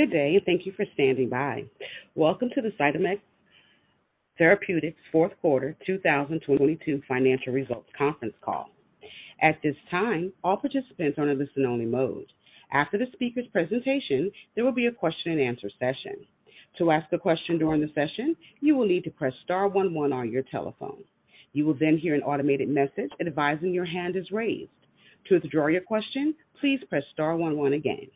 Good day, and thank you for standing by. Welcome to the CytomX Therapeutics fourth quarter 2022 financial results conference call. At this time, all participants are in a listen only mode. After the speaker's presentation, there will be a question and answer session. To ask a question during the session, you will need to press star one one on your telephone. You will then hear an automated message advising your hand is raised. To withdraw your question, please press star one one again.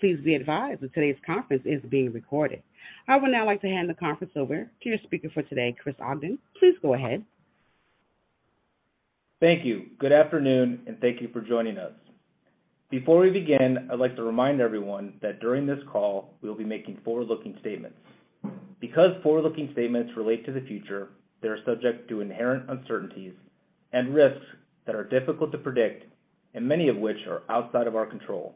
Please be advised that today's conference is being recorded. I would now like to hand the conference over to your speaker for today, Chris Ogden. Please go ahead. Thank you. Good afternoon, thank you for joining us. Before we begin, I'd like to remind everyone that during this call, we'll be making forward-looking statements. Forward-looking statements relate to the future, they are subject to inherent uncertainties and risks that are difficult to predict and many of which are outside of our control.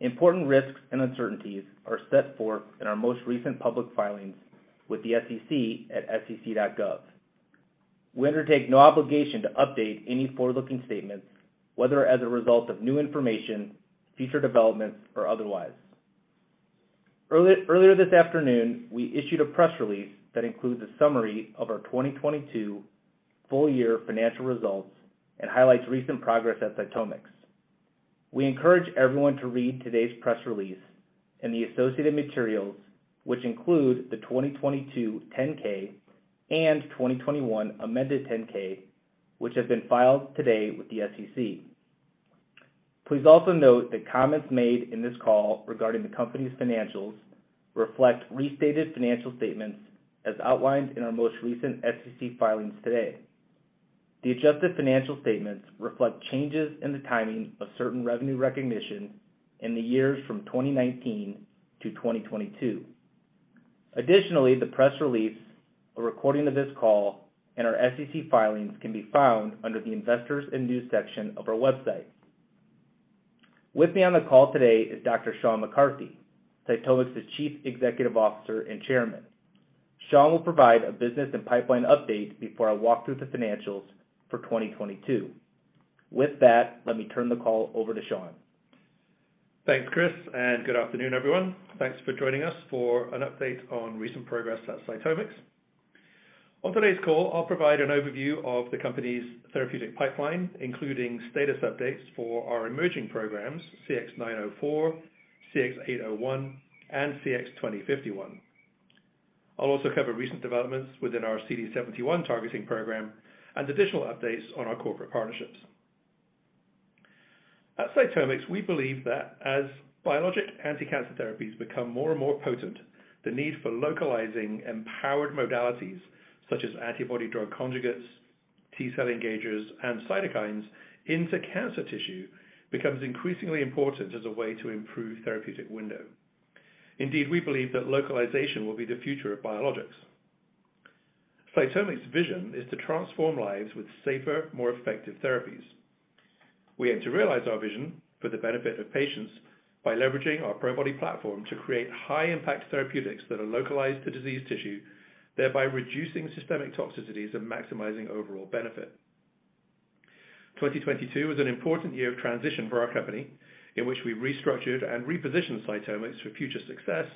Important risks and uncertainties are set forth in our most recent public filings with the SEC at sec.gov. We undertake no obligation to update any forward-looking statements, whether as a result of new information, future developments, or otherwise. Earlier this afternoon, we issued a press release that includes a summary of our 2022 full year financial results and highlights recent progress at CytomX. We encourage everyone to read today's press release and the associated materials, which include the 2022 10-K and 2021 amended 10-K, which have been filed today with the SEC. Please also note that comments made in this call regarding the company's financials reflect restated financial statements as outlined in our most recent SEC filings today. The adjusted financial statements reflect changes in the timing of certain revenue recognition in the years from 2019 to 2022. The press release, a recording of this call, and our SEC filings can be found under the investors and news section of our website. With me on the call today is Dr. Sean McCarthy, CytomX's Chief Executive Officer and Chairman. Sean will provide a business and pipeline update before I walk through the financials for 2022. Let me turn the call over to Sean. Thanks, Chris, good afternoon, everyone. Thanks for joining us for an update on recent progress at CytomX. On today's call, I'll provide an overview of the company's therapeutic pipeline, including status updates for our emerging programs, CX-904, CX-801, and CX-2051. I'll also cover recent developments within our CD71 targeting program and additional updates on our corporate partnerships. At CytomX, we believe that as biologic anti-cancer therapies become more and more potent, the need for localizing empowered modalities such as antibody-drug conjugates, T-cell engagers, and cytokines into cancer tissue becomes increasingly important as a way to improve therapeutic window. We believe that localization will be the future of biologics. CytomX's vision is to transform lives with safer, more effective therapies. We aim to realize our vision for the benefit of patients by leveraging our Probody platform to create high-impact therapeutics that are localized to disease tissue, thereby reducing systemic toxicities and maximizing overall benefit. 2022 was an important year of transition for our company in which we restructured and repositioned CytomX for future success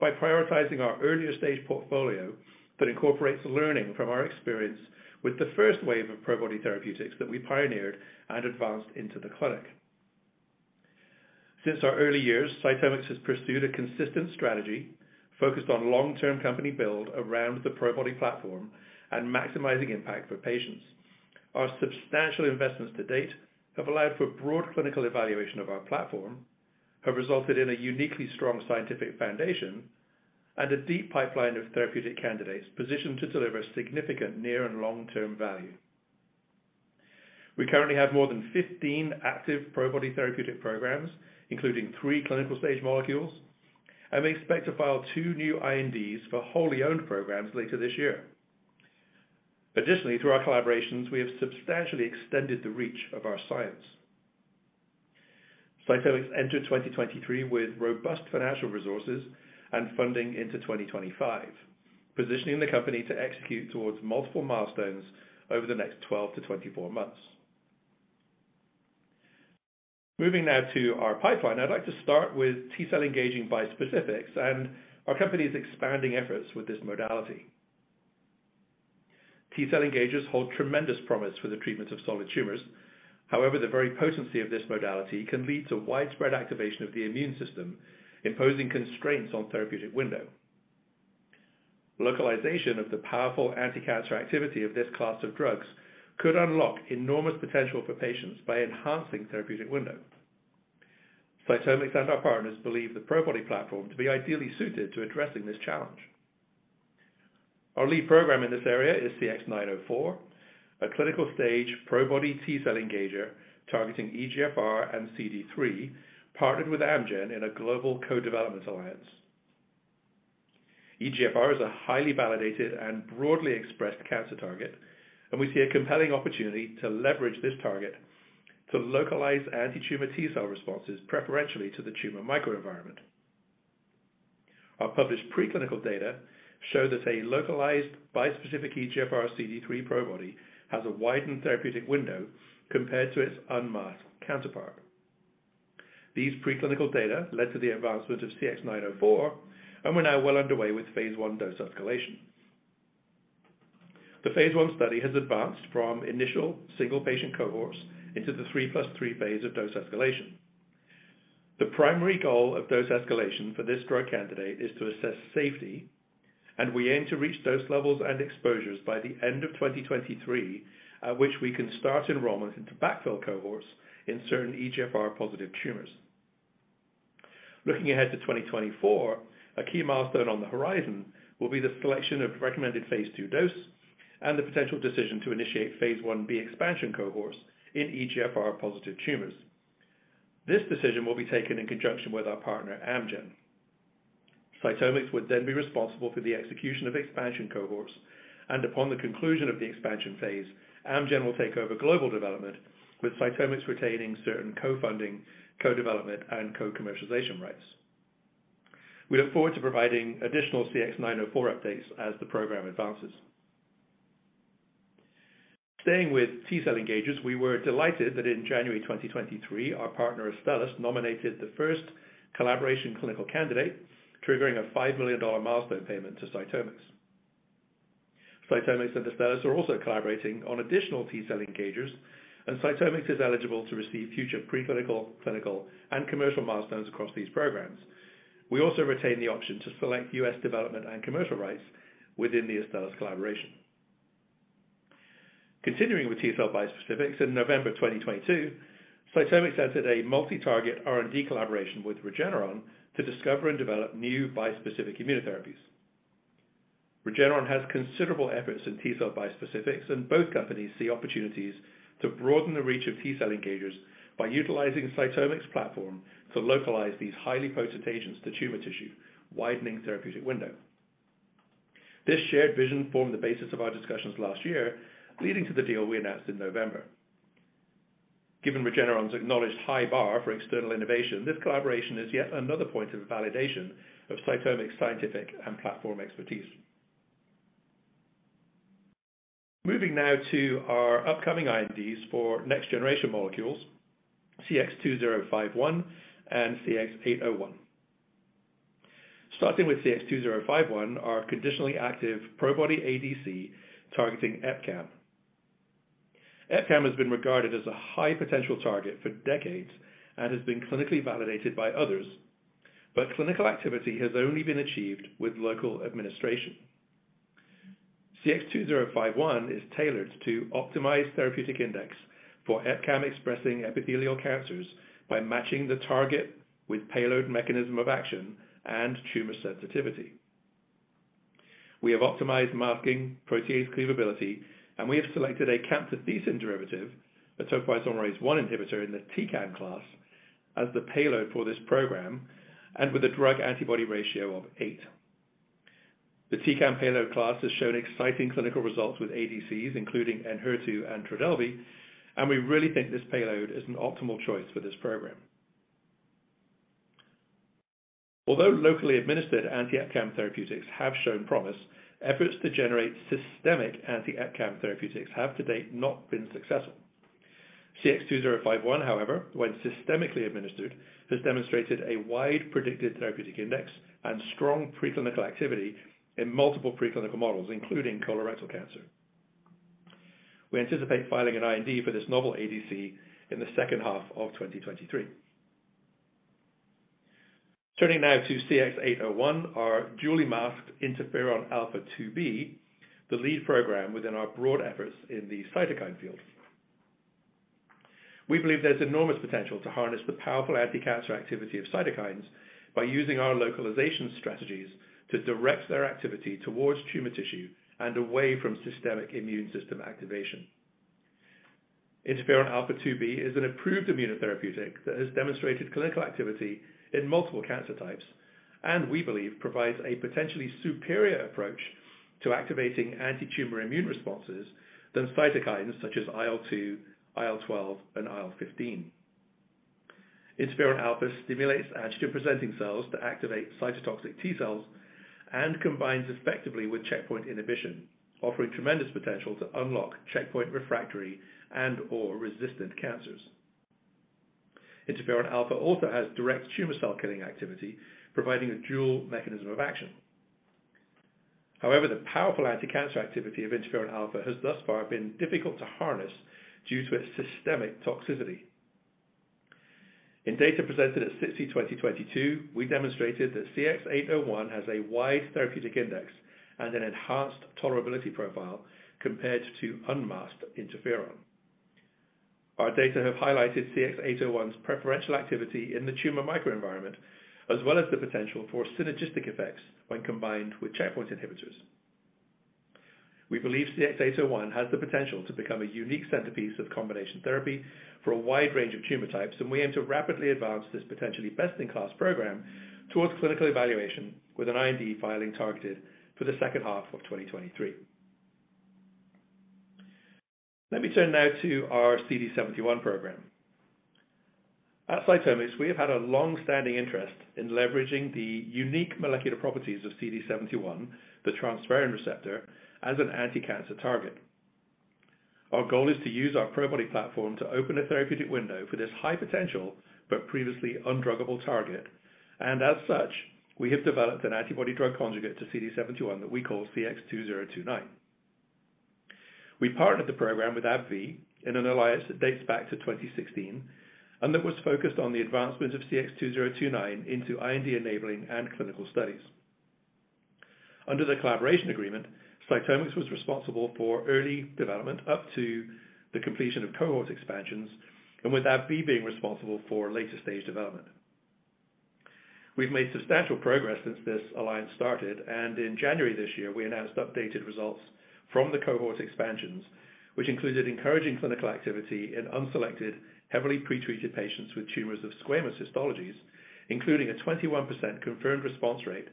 by prioritizing our earlier stage portfolio that incorporates learning from our experience with the first wave of Probody therapeutics that we pioneered and advanced into the clinic. Since our early years, CytomX has pursued a consistent strategy focused on long-term company build around the Probody platform and maximizing impact for patients. Our substantial investments to date have allowed for broad clinical evaluation of our platform, have resulted in a uniquely strong scientific foundation and a deep pipeline of therapeutic candidates positioned to deliver significant near and long-term value. We currently have more than 15 active Probody therapeutic programs, including three clinical stage molecules, and we expect to file two new INDs for wholly owned programs later this year. Additionally, through our collaborations, we have substantially extended the reach of our science. CytomX entered 2023 with robust financial resources and funding into 2025, positioning the company to execute towards multiple milestones over the next 12-24 months. Moving now to our pipeline, I'd like to start with T-cell engaging bispecifics and our company's expanding efforts with this modality. T-cell engagers hold tremendous promise for the treatment of solid tumors. However, the very potency of this modality can lead to widespread activation of the immune system, imposing constraints on therapeutic window. Localization of the powerful anti-cancer activity of this class of drugs could unlock enormous potential for patients by enhancing therapeutic window. CytomX and our partners believe the Probody platform to be ideally suited to addressing this challenge. Our lead program in this area is CX-904, a clinical stage Probody T-cell engager targeting EGFR and CD3, partnered with Amgen in a global co-development alliance. We see a compelling opportunity to leverage this target to localize antitumor T-cell responses preferentially to the tumor microenvironment. Our published preclinical data show that a localized bispecific EGFR CD3 Probody has a widened therapeutic window compared to its unmasked counterpart. These preclinical data led to the advancement of CX-904. We're now well underway with phase I dose escalation. The phase I study has advanced from initial single patient cohorts into the 3+3 phase of dose escalation. The primary goal of dose escalation for this drug candidate is to assess safety. We aim to reach dose levels and exposures by the end of 2023, at which we can start enrollment into backfill cohorts in certain EGFR-positive tumors. Looking ahead to 2024, a key milestone on the horizon will be the selection of recommended phase II dose and the potential decision to initiate phase Ib expansion cohorts in EGFR-positive tumors. This decision will be taken in conjunction with our partner, Amgen. CytomX would then be responsible for the execution of expansion cohorts. Upon the conclusion of the expansion phase, Amgen will take over global development, with CytomX retaining certain co-funding, co-development, and co-commercialization rights. We look forward to providing additional CX-904 updates as the program advances. Staying with T-cell engagers, we were delighted that in January 2023, our partner Astellas nominated the first collaboration clinical candidate, triggering a $5 million milestone payment to CytomX. CytomX and Astellas are also collaborating on additional T-cell engagers, and CytomX is eligible to receive future pre-clinical, clinical, and commercial milestones across these programs. We also retain the option to select U.S. development and commercial rights within the Astellas collaboration. Continuing with T-cell bispecifics, in November 2022, CytomX entered a multi-target R&D collaboration with Regeneron to discover and develop new bispecific immunotherapies. Regeneron has considerable efforts in T-cell bispecifics, and both companies see opportunities to broaden the reach of T-cell engagers by utilizing CytomX platform to localize these highly potent agents to tumor tissue, widening therapeutic window. This shared vision formed the basis of our discussions last year, leading to the deal we announced in November. Given Regeneron's acknowledged high bar for external innovation, this collaboration is yet another point of validation of CytomX scientific and platform expertise. Moving now to our upcoming INDs for next generation molecules, CX-2051 and CX-801. Starting with CX-2051, our conditionally active Probody ADC targeting EpCAM. EpCAM has been regarded as a high potential target for decades and has been clinically validated by others, but clinical activity has only been achieved with local administration. CX-2051 is tailored to optimize therapeutic index for EpCAM-expressing epithelial cancers by matching the target with payload mechanism of action and tumor sensitivity. We have optimized masking, protease cleavability, and we have selected a camptothecin derivative, a topoisomerase I inhibitor in the TCAM class, as the payload for this program, and with a drug-antibody ratio of 8. The TCAM payload class has shown exciting clinical results with ADCs, including ENHERTU and TRODELVY. We really think this payload is an optimal choice for this program. Although locally administered anti-EpCAM therapeutics have shown promise, efforts to generate systemic anti-EpCAM therapeutics have to date not been successful. CX-2051, however, when systemically administered, has demonstrated a wide predicted therapeutic index and strong preclinical activity in multiple preclinical models, including colorectal cancer. We anticipate filing an IND for this novel ADC in the second half of 2023. Turning now to CX-801, our dually masked interferon alfa-2b, the lead program within our broad efforts in the cytokine field. We believe there's enormous potential to harness the powerful anticancer activity of cytokines by using our localization strategies to direct their activity towards tumor tissue and away from systemic immune system activation. Interferon alfa-2b is an approved immunotherapeutic that has demonstrated clinical activity in multiple cancer types, and we believe provides a potentially superior approach to activating antitumor immune responses than cytokines such as IL-2, IL-12, and IL-15. Interferon alpha stimulates antigen-presenting cells to activate cytotoxic T-cells and combines effectively with checkpoint inhibition, offering tremendous potential to unlock checkpoint refractory and/or resistant cancers. Interferon alpha also has direct tumor cell killing activity, providing a dual mechanism of action. However, the powerful anticancer activity of interferon alpha has thus far been difficult to harness due to its systemic toxicity. In data presented at SITC 2022, we demonstrated that CX-801 has a wide therapeutic index and an enhanced tolerability profile compared to unmasked interferon. Our data have highlighted CX-801's preferential activity in the tumor microenvironment, as well as the potential for synergistic effects when combined with checkpoint inhibitors. We believe CX-801 has the potential to become a unique centerpiece of combination therapy for a wide range of tumor types. We aim to rapidly advance this potentially best-in-class program towards clinical evaluation with an IND filing targeted for the second half of 2023. Let me turn now to our CD71 program. At CytomX, we have had a long-standing interest in leveraging the unique molecular properties of CD71, the transferrin receptor, as an anticancer target. Our goal is to use our Probody platform to open a therapeutic window for this high potential, but previously undruggable target. As such, we have developed an antibody-drug conjugate to CD71 that we call CX-2029. We partnered the program with AbbVie in an alliance that dates back to 2016. That was focused on the advancement of CX-2029 into IND-enabling and clinical studies. Under the collaboration agreement, CytomX was responsible for early development up to the completion of cohort expansions, with AbbVie being responsible for later-stage development. We've made substantial progress since this alliance started. In January this year, we announced updated results from the cohort expansions, which included encouraging clinical activity in unselected, heavily pretreated patients with tumors of squamous histologies, including a 21% confirmed response rate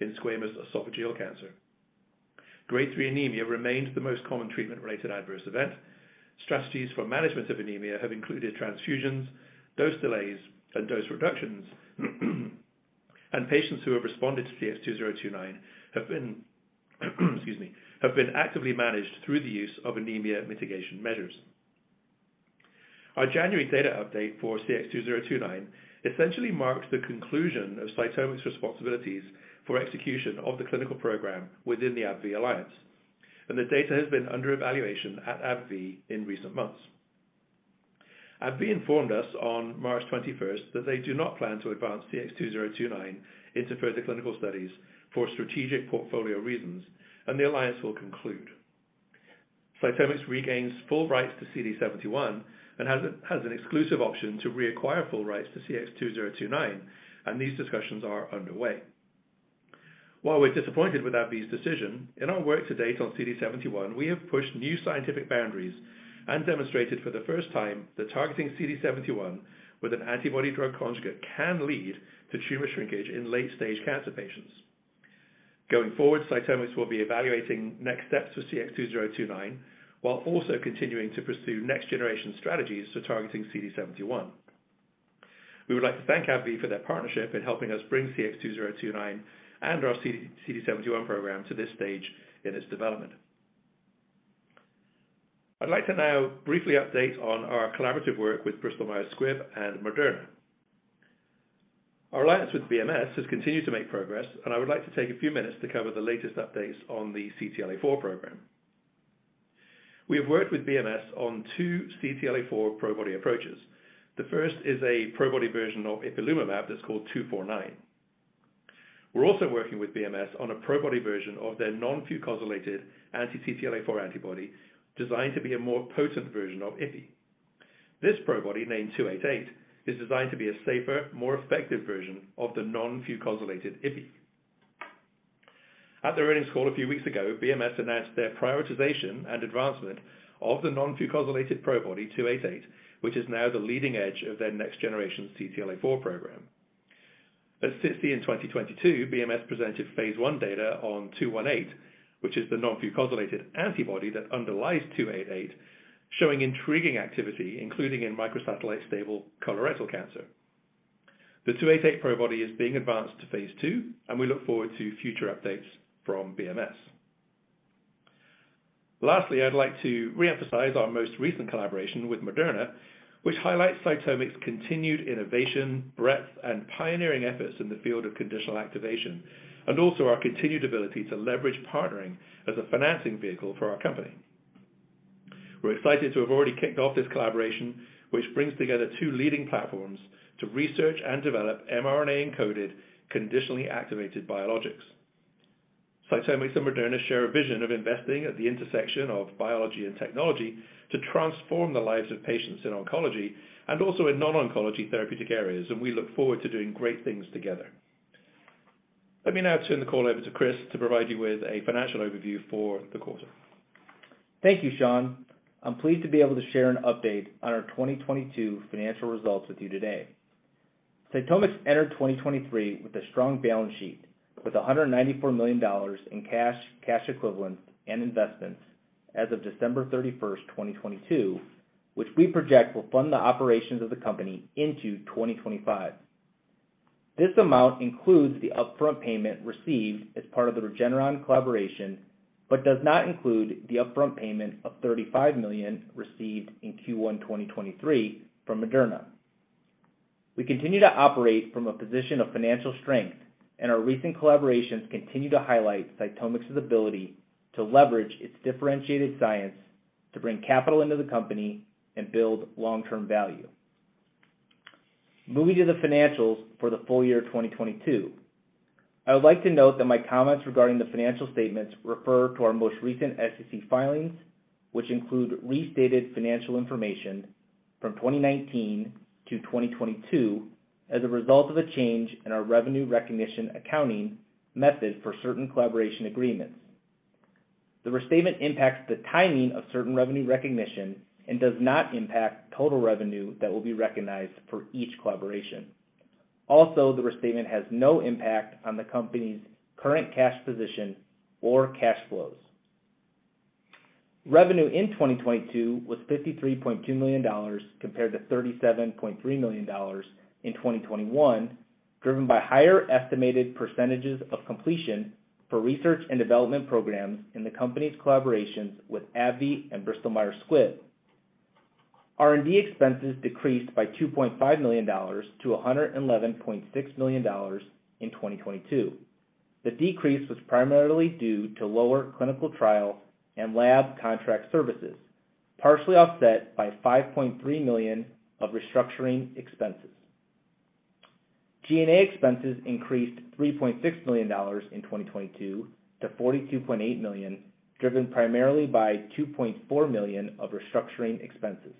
in squamous esophageal cancer. Grade 3 anemia remains the most common treatment-related adverse event. Strategies for management of anemia have included transfusions, dose delays, and dose reductions. Patients who have responded to CX-2029 have been actively managed through the use of anemia mitigation measures. Our January data update for CX-2029 essentially marks the conclusion of CytomX's responsibilities for execution of the clinical program within the AbbVie alliance. The data has been under evaluation at AbbVie in recent months. AbbVie informed us on March 21st that they do not plan to advance CX-2029 into further clinical studies for strategic portfolio reasons. The alliance will conclude. CytomX regains full rights to CD71 and has an exclusive option to reacquire full rights to CX-2029. These discussions are underway. While we're disappointed with AbbVie's decision, in our work to date on CD71, we have pushed new scientific boundaries and demonstrated for the first time that targeting CD71 with an antibody-drug conjugate can lead to tumor shrinkage in late-stage cancer patients. Going forward, CytomX will be evaluating next steps for CX-2029, while also continuing to pursue next-generation strategies to targeting CD71. We would like to thank AbbVie for their partnership in helping us bring CX-2029 and our CD71 program to this stage in its development. I'd like to now briefly update on our collaborative work with Bristol Myers Squibb and Moderna. Our alliance with BMS has continued to make progress, I would like to take a few minutes to cover the latest updates on the CTLA-4 program. We have worked with BMS on two CTLA-4 ProBody approaches. The first is a ProBody version of ipilimumab that's called 249. We're also working with BMS on a ProBody version of their non-fucosylated anti-CTLA-4 antibody, designed to be a more potent version of ipi. This ProBody, named 288, is designed to be a safer, more effective version of the non-fucosylated ipi. At the earnings call a few weeks ago, BMS announced their prioritization and advancement of the non-fucosylated ProBody 288, which is now the leading edge of their next generation CTLA-4 program. At SITC in 2022, BMS presented phase I data on 218, which is the non-fucosylated antibody that underlies 288, showing intriguing activity, including in microsatellite stable colorectal cancer. The 288 ProBody is being advanced to phase II, and we look forward to future updates from BMS. Lastly, I'd like to reemphasize our most recent collaboration with Moderna, which highlights CytomX's continued innovation, breadth, and pioneering efforts in the field of conditional activation, and also our continued ability to leverage partnering as a financing vehicle for our company. We're excited to have already kicked off this collaboration, which brings together two leading platforms to research and develop mRNA-encoded, conditionally activated biologics. CytomX and Moderna share a vision of investing at the intersection of biology and technology to transform the lives of patients in oncology and also in non-oncology therapeutic areas. We look forward to doing great things together. Let me now turn the call over to Chris to provide you with a financial overview for the quarter. Thank you, Sean. I'm pleased to be able to share an update on our 2022 financial results with you today. CytomX entered 2023 with a strong balance sheet, with $194 million in cash equivalents, and investments as of December 31, 2022, which we project will fund the operations of the company into 2025. This amount includes the upfront payment received as part of the Regeneron collaboration, but does not include the upfront payment of $35 million received in Q1 2023 from Moderna. We continue to operate from a position of financial strength, and our recent collaborations continue to highlight CytomX's ability to leverage its differentiated science to bring capital into the company and build long-term value. Moving to the financials for the full year 2022. I would like to note that my comments regarding the financial statements refer to our most recent SEC filings, which include restated financial information from 2019 to 2022 as a result of a change in our revenue recognition accounting method for certain collaboration agreements. The restatement impacts the timing of certain revenue recognition and does not impact total revenue that will be recognized for each collaboration. The restatement has no impact on the company's current cash position or cash flows. Revenue in 2022 was $53.2 million compared to $37.3 million in 2021, driven by higher estimated percentages of completion for research and development programs in the company's collaborations with AbbVie and Bristol Myers Squibb. R&D expenses decreased by $2.5 million to $111.6 million in 2022. The decrease was primarily due to lower clinical trial and lab contract services, partially offset by $5.3 million of restructuring expenses. G&A expenses increased $3.6 million in 2022 to $42.8 million, driven primarily by $2.4 million of restructuring expenses.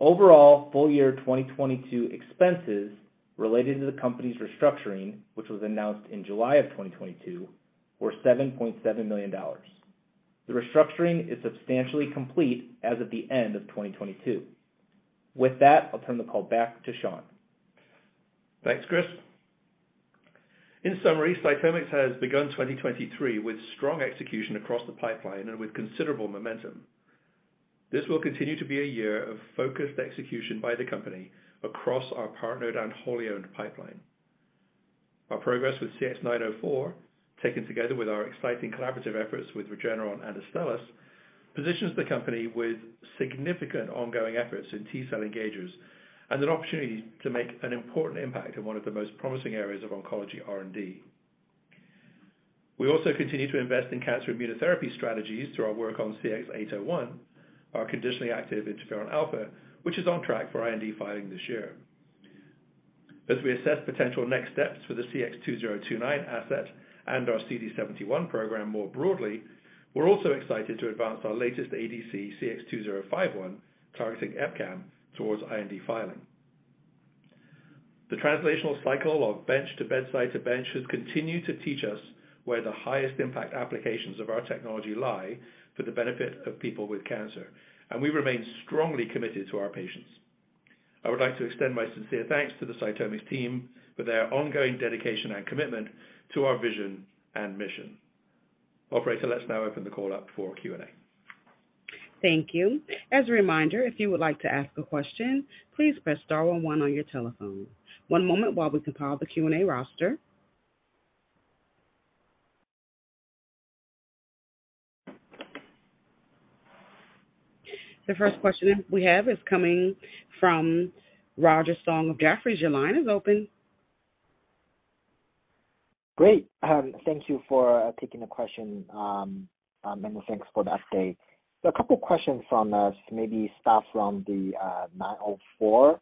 Overall, full year 2022 expenses related to the company's restructuring, which was announced in July of 2022, were $7.7 million. The restructuring is substantially complete as of the end of 2022. With that, I'll turn the call back to Sean. Thanks, Chris. In summary, CytomX has begun 2023 with strong execution across the pipeline and with considerable momentum. This will continue to be a year of focused execution by the company across our partnered and wholly owned pipeline. Our progress with CX-904, taken together with our exciting collaborative efforts with Regeneron and Astellas, positions the company with significant ongoing efforts in T-cell engagers and an opportunity to make an important impact in one of the most promising areas of oncology R&D. We also continue to invest in cancer immunotherapy strategies through our work on CX-801, our conditionally active interferon alpha, which is on track for IND filing this year. As we assess potential next steps for the CX-2029 asset and our CD71 program more broadly, we're also excited to advance our latest ADC, CX-2051, targeting EpCAM towards IND filing. The translational cycle of bench to bedside to bench has continued to teach us where the highest impact applications of our technology lie for the benefit of people with cancer. We remain strongly committed to our patients. I would like to extend my sincere thanks to the CytomX team for their ongoing dedication and commitment to our vision and mission. Operator, let's now open the call up for Q&A. Thank you. As a reminder, if you would like to ask a question, please press star one one on your telephone. One moment while we compile the Q&A roster. The first question we have is coming from Roger Song of Jefferies. Your line is open. Great. Thank you for taking the question, and thanks for the update. A couple of questions from us, maybe start from the 904.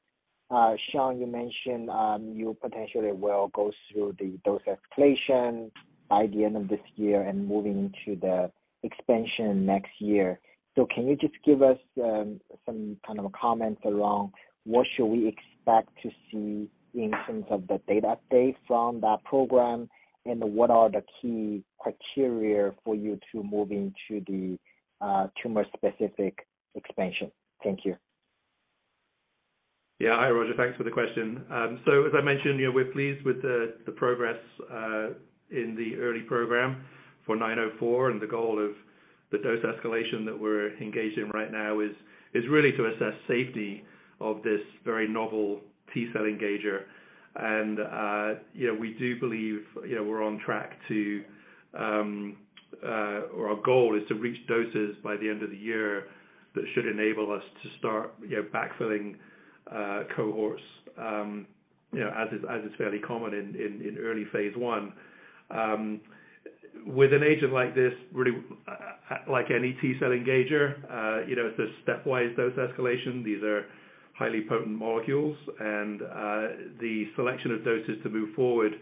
Sean, you mentioned, you potentially will go through the dose escalation by the end of this year and moving into the expansion next year. Can you just give us some kind of comments around what should we expect to see in terms of the data update from that program? What are the key criteria for you to move into the tumor-specific expansion? Thank you. Yeah. Hi, Roger. Thanks for the question. As I mentioned, you know, we're pleased with the progress in the early program for CX-904. The goal of the dose escalation that we're engaged in right now is really to assess safety of this very novel T-cell engager. We do believe, you know, we're on track to or our goal is to reach doses by the end of the year that should enable us to start, you know, backfilling cohorts, you know, as is fairly common in early phase I. With an agent like this, really, like any T-cell engager, you know, it's a stepwise dose escalation. These are highly potent molecules. The selection of doses to move forward,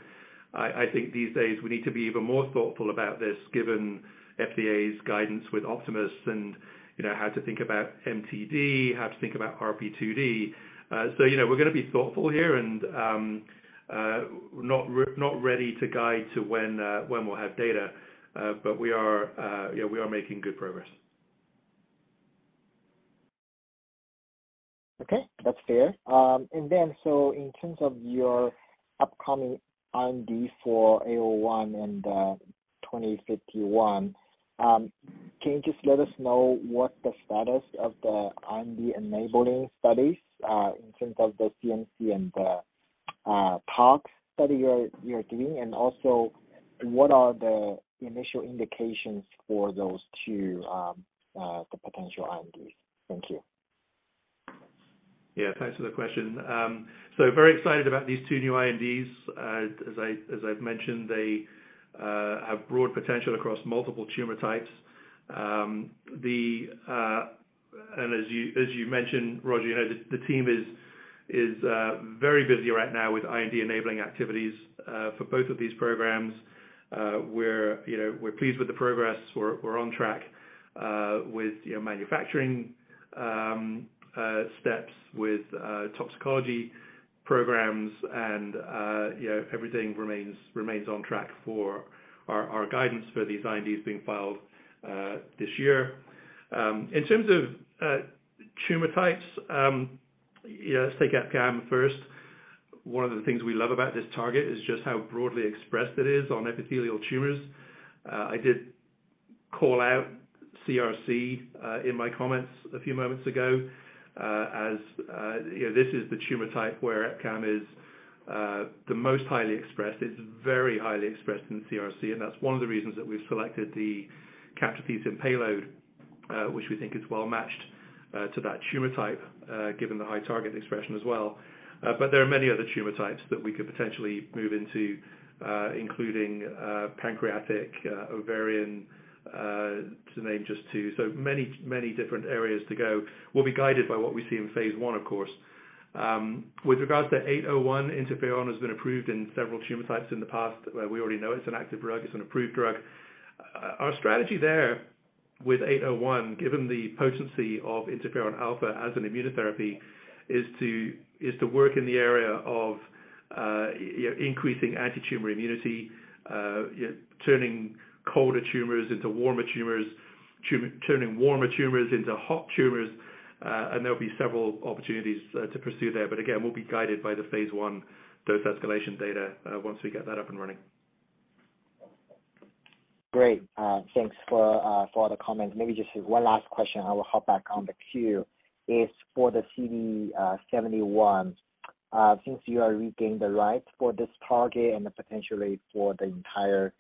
I think these days we need to be even more thoughtful about this given FDA's guidance with Optimus and you know, how to think about MTD, how to think about RP2D. You know, we're gonna be thoughtful here and not ready to guide to when when we'll have data. We are, you know, we are making good progress. Okay. That's fair. In terms of your upcoming IND for CX-801 and CX-2051, can you just let us know what the status of the IND enabling studies, in terms of the CMC and the tox study you're doing? Also, what are the initial indications for those two, the potential INDs? Thank you. Yeah. Thanks for the question. Very excited about these two new INDs. As I've mentioned, they have broad potential across multiple tumor types. As you mentioned, Roger Song, you know, the team is very busy right now with IND-enabling activities for both of these programs. We're, you know, we're pleased with the progress. We're on track with, you know, manufacturing steps with toxicology programs and, you know, everything remains on track for our guidance for these INDs being filed this year. In terms of tumor types, you know, let's take EpCAM first. One of the things we love about this target is just how broadly expressed it is on epithelial tumors. I did call out CRC in my comments a few moments ago, as, you know, this is the tumor type where EpCAM is the most highly expressed. It's very highly expressed in CRC, and that's one of the reasons that we've selected the camptothecin payload, which we think is well matched to that tumor type, given the high target expression as well. There are many other tumor types that we could potentially move into, including pancreatic, ovarian, to name just two. Many different areas to go. We'll be guided by what we see in phase I, of course. With regards to CX-801, interferon has been approved in several tumor types in the past. We already know it's an active drug, it's an approved drug. Our strategy there with CX-801, given the potency of interferon alpha as an immunotherapy, is to work in the area of, you know, increasing antitumor immunity, turning colder tumors into warmer tumors, turning warmer tumors into hot tumors. There'll be several opportunities to pursue there. Again, we'll be guided by the phase I dose escalation data, once we get that up and running. Great. Thanks for the comments. Maybe just one last question, I will hop back on the queue, is for the CD71. Since you are regaining the rights for this target and potentially for the entire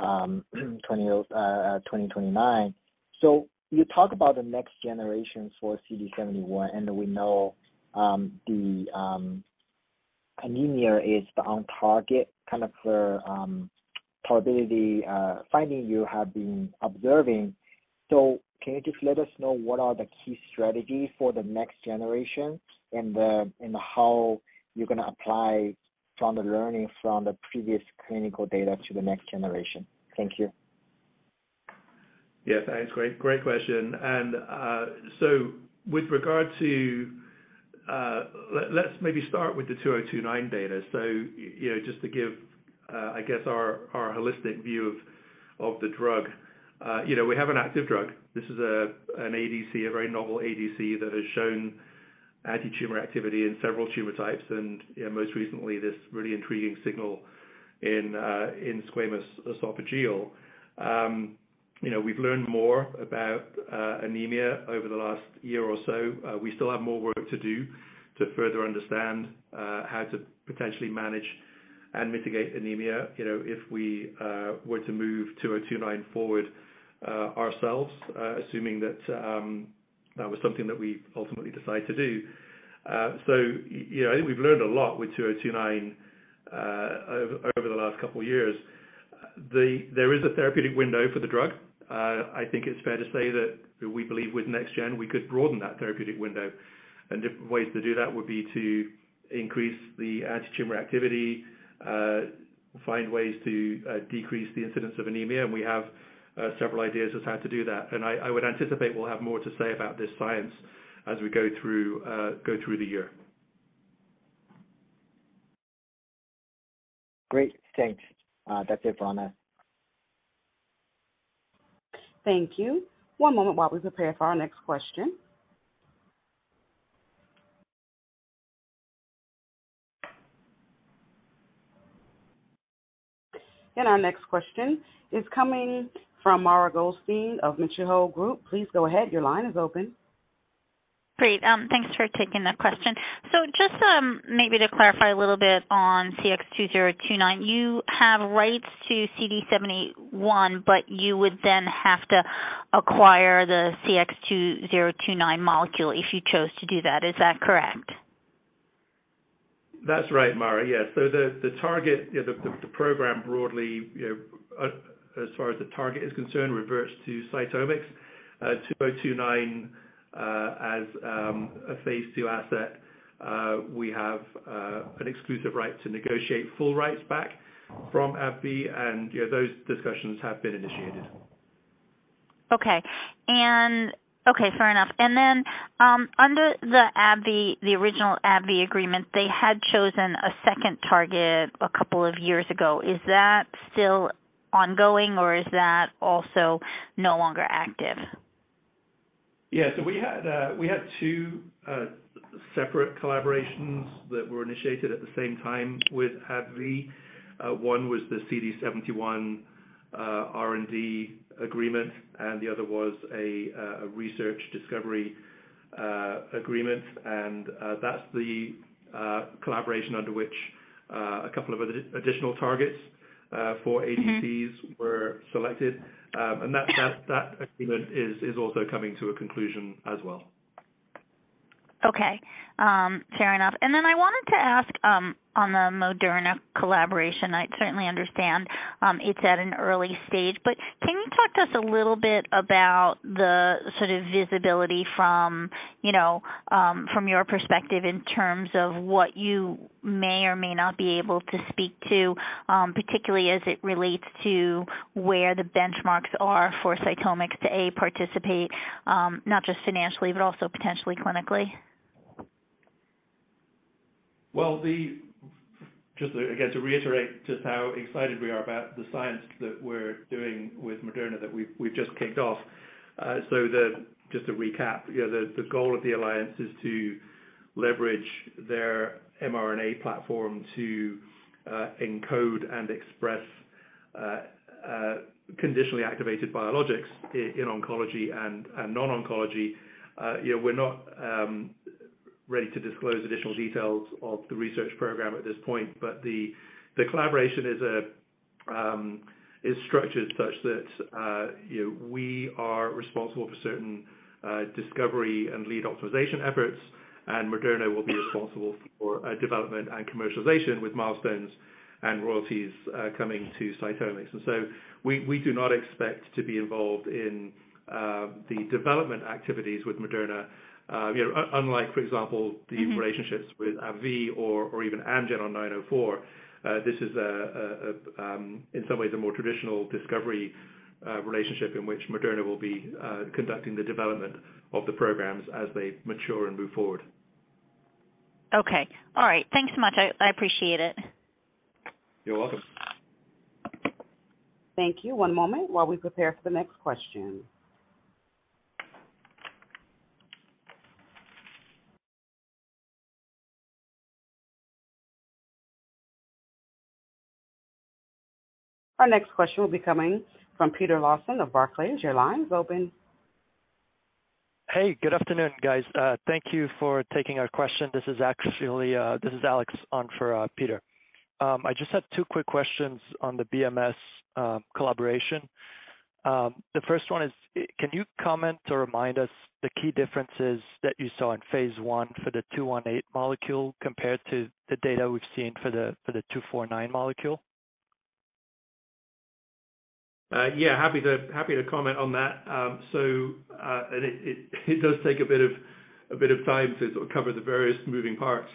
2029. You talk about the next generation for CD71, and we know, the anemia is the on target kind of for Probody finding you have been observing. Can you just let us know what are the key strategies for the next generation and how you're gonna apply from the learning from the previous clinical data to the next generation? Thank you. Yeah, thanks. Great question. With regard to, let's maybe start with the 2029 data. You know, just to give, I guess our holistic view of the drug. You know, we have an active drug. This is an ADC, a very novel ADC that has shown antitumor activity in several tumor types, and, you know, most recently this really intriguing signal in squamous esophageal. You know, we've learned more about anemia over the last year or so. We still have more work to do to further understand how to potentially manage and mitigate anemia, you know, if we were to move 2029 forward ourselves, assuming that that was something that we ultimately decide to do. You know, I think we've learned a lot with CX-2029, over the last couple of years. There is a therapeutic window for the drug. I think it's fair to say that we believe with next gen, we could broaden that therapeutic window. Different ways to do that would be to increase the antitumor activity, find ways to decrease the incidence of anemia. We have several ideas as how to do that. I would anticipate we'll have more to say about this science as we go through, go through the year. Great. Thanks. That's it for now. Thank you. One moment while we prepare for our next question. Our next question is coming from Mara Goldstein of Mizuho Group. Please go ahead. Your line is open. Great. Thanks for taking the question. Just, maybe to clarify a little bit on CX-2029, you have rights to CD71, but you would then have to acquire the CX-2029 molecule if you chose to do that. Is that correct? That's right, Mara. Yes. The target, you know, the program broadly, you know, as far as the target is concerned, reverts to CytomX CX-2029 as a phase II asset. We have an exclusive right to negotiate full rights back from AbbVie and, you know, those discussions have been initiated. Okay. Okay. Fair enough. Then, under the AbbVie, the original AbbVie agreement, they had chosen a second target a couple of years ago. Is that still ongoing or is that also no longer active? Yeah. We had two separate collaborations that were initiated at the same time with AbbVie. One was the CD71 R&D agreement, and the other was a research discovery agreement. That's the collaboration under which a couple of additional targets for ADCs. Mm-hmm. were selected. That agreement is also coming to a conclusion as well. Okay. fair enough. I wanted to ask on the Moderna collaboration. I certainly understand it's at an early stage, but can you talk to us a little bit about the sort of visibility from, you know, from your perspective in terms of what you may or may not be able to speak to, particularly as it relates to where the benchmarks are for CytomX to A, participate, not just financially, but also potentially clinically? Well, just again, to reiterate just how excited we are about the science that we're doing with Moderna that we've just kicked off. So just to recap, you know, the goal of the alliance is to leverage their mRNA platform to encode and express conditionally activated biologics in oncology and non-oncology. You know, we're not ready to disclose additional details of the research program at this point, but the collaboration is structured such that, you know, we are responsible for certain discovery and lead optimization efforts, and Moderna will be responsible for development and commercialization with milestones and royalties coming to CytomX. We do not expect to be involved in the development activities with Moderna. you know, unlike, for example, the relationships with AbbVie or even Amgen on 904, this is in some ways a more traditional discovery relationship in which Moderna will be conducting the development of the programs as they mature and move forward. Okay. All right. Thanks so much. I appreciate it. You're welcome. Thank you. One moment while we prepare for the next question. Our next question will be coming from Peter Lawson of Barclays. Your line is open. Hey, good afternoon, guys. Thank you for taking our question. This is actually, this is Alex on for Peter. I just had two quick questions on the BMS collaboration. The first one is, can you comment or remind us the key differences that you saw in phase I for the 218 molecule compared to the data we've seen for the 249 molecule? Yeah, happy to comment on that. It does take a bit of time to sort of cover the various moving parts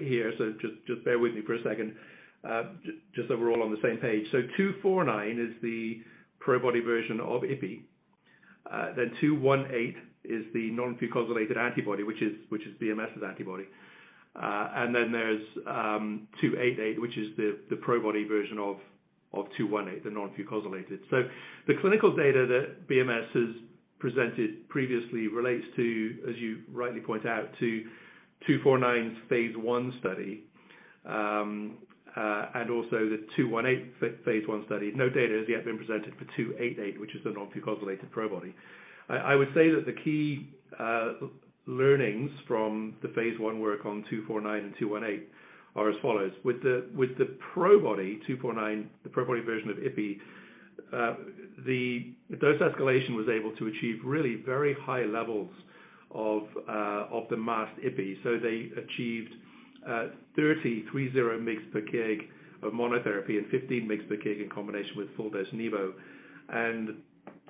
here. Just bear with me for a second, just so we're all on the same page. 249 is the Probody version of Ipi. 218 is the non-fucosylated antibody, which is BMS's antibody. Then there's 288, which is the Probody version of 218, the non-fucosylated. The clinical data that BMS has presented previously relates to, as you rightly point out, to 249's phase I study, and also the 218 phase I study. No data has yet been presented for 288, which is the non-fucosylated Probody. I would say that the key learnings from the phase I work on CX-249 and BMS-986218 are as follows. With the Probody CX-249, the Probody version of Ipi, the dose escalation was able to achieve really very high levels of the masked Ipi. They achieved 30 mg per kg of monotherapy and 15 mg per kg in combination with full-dose nivo.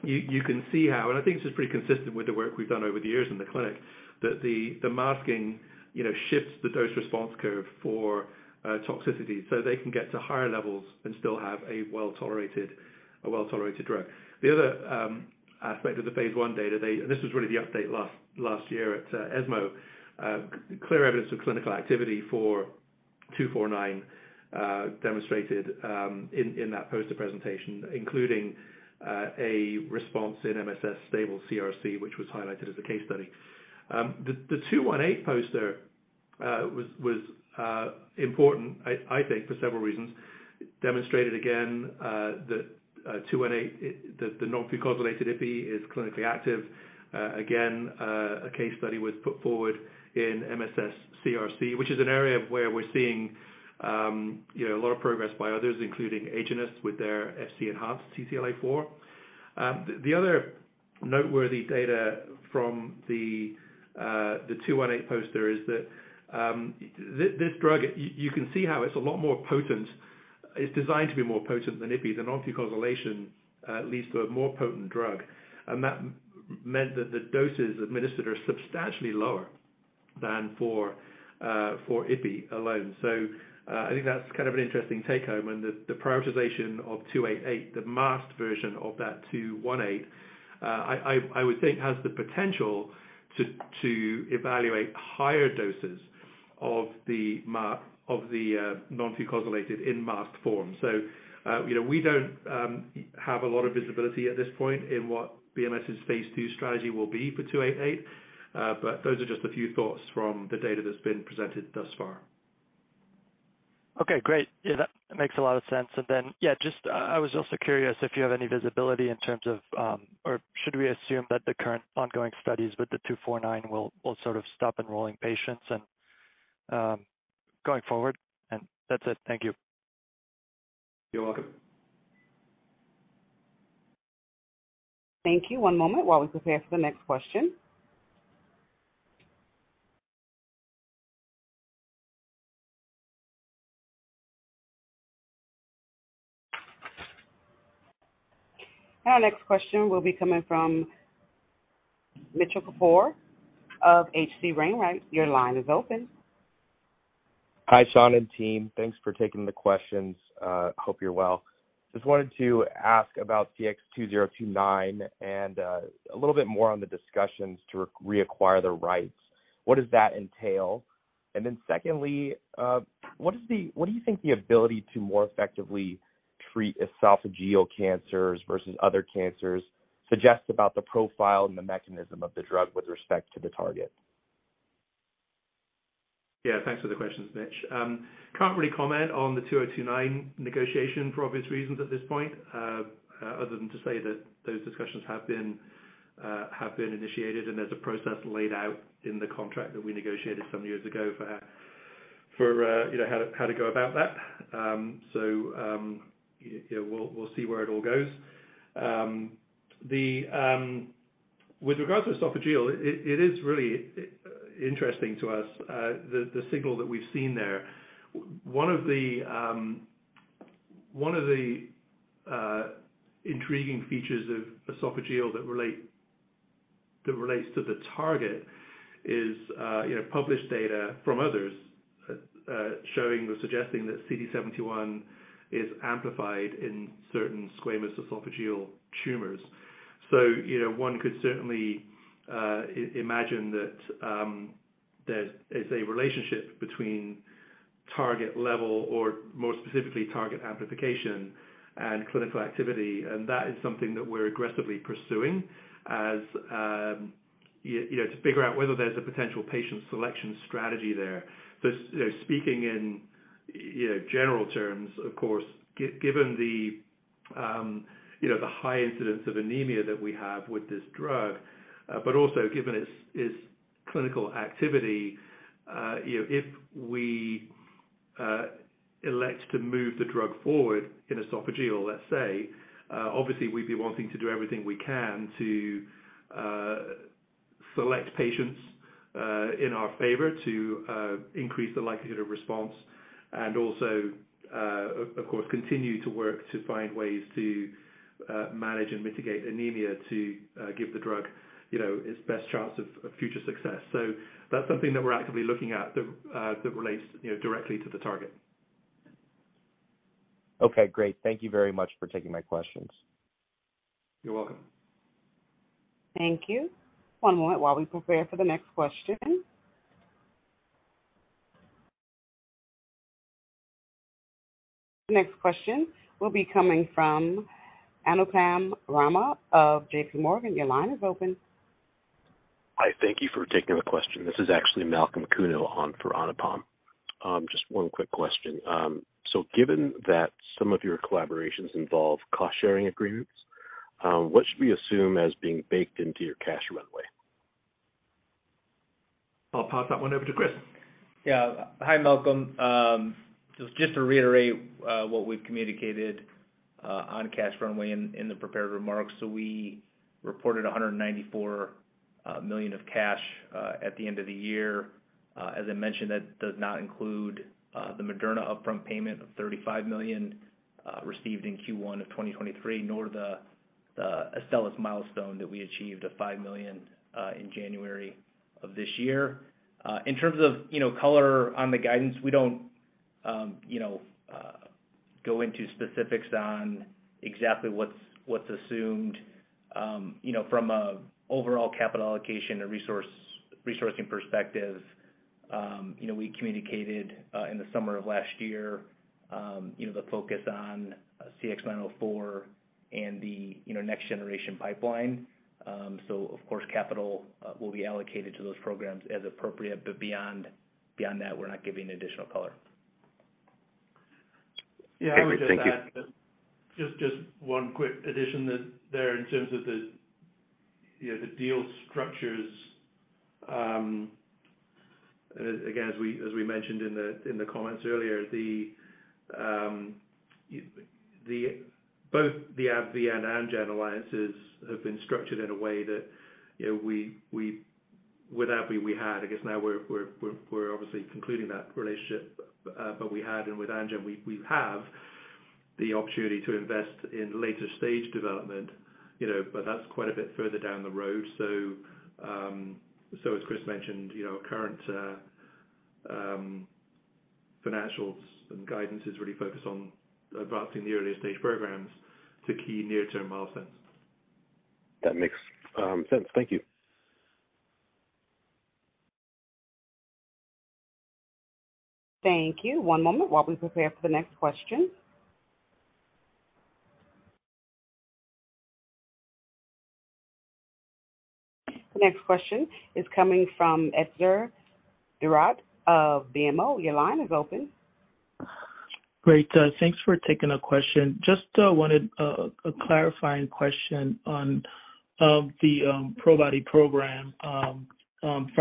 You can see how, and I think this is pretty consistent with the work we've done over the years in the clinic, that the masking, you know, shifts the dose response curve for toxicity, so they can get to higher levels and still have a well-tolerated drug. The other aspect of the phase I data, this was really the update last year at ESMO. Clear evidence of clinical activity for CX-249 demonstrated in that poster presentation, including a response in MSS stable CRC, which was highlighted as a case study. The 218 poster was important, I think, for several reasons. Demonstrated again that 218, the non-fucosylated Ipi, is clinically active. Again, a case study was put forward in MSS CRC, which is an area where we're seeing, you know, a lot of progress by others, including Agenus with their Fc-enhanced CTLA-4. The other noteworthy data from the 218 poster is that this drug, you can see how it's a lot more potent. It's designed to be more potent than Ipi. The non-fucosylation leads to a more potent drug. That meant that the doses administered are substantially lower than for Ipi alone. I think that's kind of an interesting take home. The prioritization of 288, the masked version of that 218, I would think has the potential to evaluate higher doses of the non-fucosylated in masked form. You know, we don't have a lot of visibility at this point in what BMS's phase II strategy will be for 288. Those are just a few thoughts from the data that's been presented thus far. Okay, great. Yeah, that makes a lot of sense. Then, yeah, just, I was also curious if you have any visibility in terms of, or should we assume that the current ongoing studies with the CX-249 will sort of stop enrolling patients and, going forward? That's it. Thank you. You're welcome. Thank you. One moment while we prepare for the next question. Our next question will be coming from Mitchell Kapoor of H.C. Wainwright. Your line is open. Hi, Sean and team. Thanks for taking the questions. hope you're well. Just wanted to ask about CX2029 and, a little bit more on the discussions to re-reacquire the rights. What does that entail? Secondly, what do you think the ability to more effectively treat esophageal cancers versus other cancers suggests about the profile and the mechanism of the drug with respect to the target? Yeah. Thanks for the questions, Mitch. Can't really comment on the CX-2029 negotiation for obvious reasons at this point, other than to say that those discussions have been initiated, and there's a process laid out in the contract that we negotiated some years ago for, you know, how to go about that. You know, we'll see where it all goes. With regard to esophageal, it is really interesting to us, the signal that we've seen there. One of the intriguing features of esophageal that relates to the target is, you know, published data from others, showing or suggesting that CD71 is amplified in certain squamous esophageal tumors. You know, one could certainly imagine that there is a relationship between target level or more specifically, target amplification and clinical activity. That is something that we're aggressively pursuing as you know, to figure out whether there's a potential patient selection strategy there. You know, speaking in, you know, general terms, of course, given the, you know, the high incidence of anemia that we have with this drug, but also given its clinical activity, you know, if we elect to move the drug forward in esophageal, let's say, obviously we'd be wanting to do everything we can to select patients in our favor to increase the likelihood of response and also, of course, continue to work to find ways to manage and mitigate anemia to give the drug, you know, its best chance of future success. That's something that we're actively looking at that relates, you know, directly to the target. Okay, great. Thank you very much for taking my questions. You're welcome. Thank you. One moment while we prepare for the next question. The next question will be coming from Anupam Rama of JPMorgan. Your line is open. Hi. Thank you for taking the question. This is actually Malcolm Kuno on for Anupam. Just one quick question. Given that some of your collaborations involve cost-sharing agreements, what should we assume as being baked into your cash runway? I'll pass that one over to Chris. Hi, Malcolm. Just to reiterate what we've communicated on cash runway in the prepared remarks. So we reported $194 million of cash at the end of the year. As I mentioned, that does not include the Moderna upfront payment of $35 million received in Q1 of 2023, nor the Astellas milestone that we achieved of $5 million in January of this year. In terms of, you know, color on the guidance, we don't, you know, go into specifics on exactly what's assumed. You know, from an overall capital allocation and resourcing perspective, you know, we communicated in the summer of last year, you know, the focus on CX-904 and the, you know, next generation pipeline. Of course, capital will be allocated to those programs as appropriate, but beyond that, we're not giving additional color. Okay. Thank you. Yeah. I would just add just one quick addition that there in terms of the, you know, the deal structures, again, as we mentioned in the comments earlier, both the AbbVie and Amgen alliances have been structured in a way that, you know, with AbbVie we had, I guess now we're obviously concluding that relationship, but we had and with Amgen we have the opportunity to invest in later stage development, you know, but that's quite a bit further down the road. As Chris mentioned, you know, our current financials and guidance is really focused on advancing the earlier stage programs to key near-term milestones. That makes sense. Thank you. Thank you. One moment while we prepare for the next question. The next question is coming from Etzer Darout of BMO. Your line is open. Great. Thanks for taking the question. Just wanted a clarifying question on the Probody program from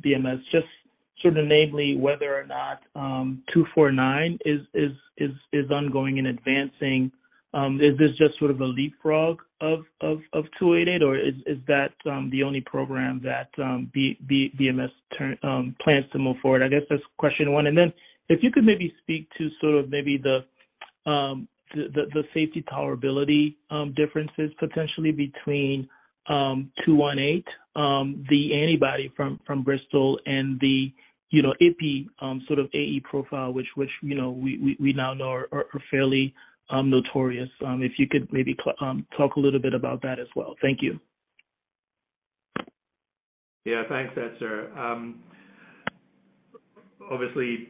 BMS. Just sort of namely whether or not 249 is ongoing and advancing. Is this just sort of a leapfrog of 288, or is that the only program that BMS plans to move forward? I guess that's question one. If you could maybe speak to sort of maybe the safety tolerability differences potentially between 218, the antibody from Bristol and the, you know, IP sort of AE profile which, you know, we now know are fairly notorious. If you could maybe talk a little bit about that as well. Thank you. Yeah. Thanks, Etzer. Obviously,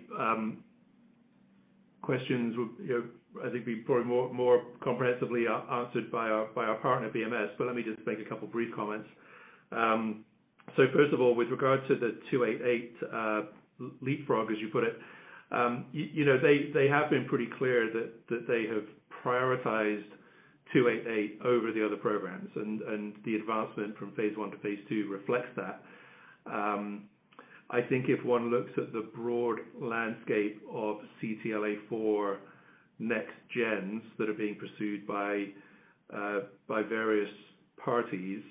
questions will, you know, I think be probably more, more comprehensively answered by our, by our partner, BMS. Let me just make a couple brief comments. First of all, with regard to the 288 leapfrog, as you put it, you know, they have been pretty clear that they have prioritized 288 over the other programs. The advancement from phase I to phase II reflects that. I think if one looks at the broad landscape of CTLA-4 next gens that are being pursued by various parties,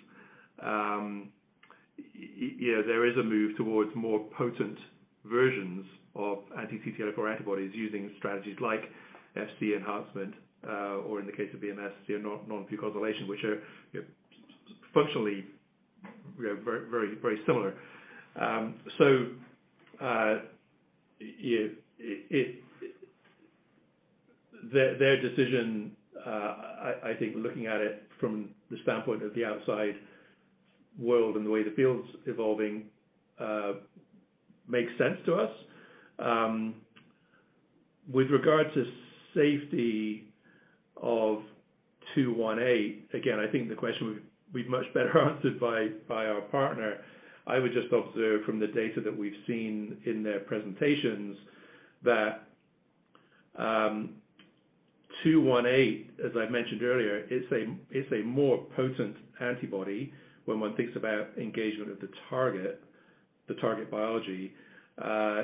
yeah, there is a move towards more potent versions of anti-CTLA-4 antibodies using strategies like Fc enhancement, or in the case of BMS, you know, non-fucosylation which are, you know, functionally, you know, very, very similar. Their decision, I think looking at it from the standpoint of the outside world and the way the field's evolving, makes sense to us. With regard to safety of 218, again, I think the question would be much better answered by our partner. I would just observe from the data that we've seen in their presentations that 218, as I mentioned earlier, is a more potent antibody when one thinks about engagement of the target biology.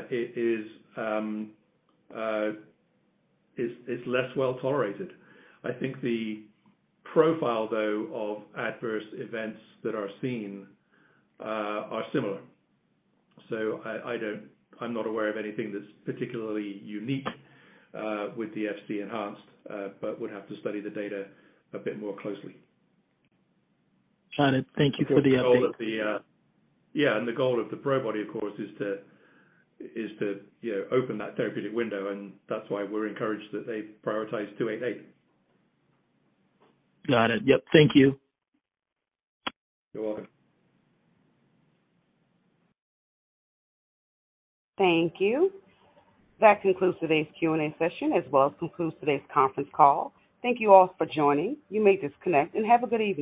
It is, it's less well-tolerated. I think the profile though, of adverse events that are seen, are similar. I'm not aware of anything that's particularly unique with the Fc-enhanced, but would have to study the data a bit more closely. Got it. Thank you for the update. The goal of the. Yeah. The goal of the Probody, of course, is to, you know, open that therapeutic window, and that's why we're encouraged that they prioritize 288. Got it. Yep. Thank you. You're welcome. Thank you. That concludes today's Q&A session as well as concludes today's conference call. Thank you all for joining. You may disconnect, and have a good evening.